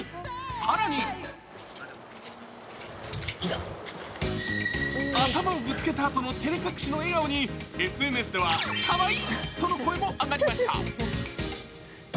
更に頭をぶつけたあとの照れ隠しの笑顔にＳＮＳでは「かわいい」との声も上がりました。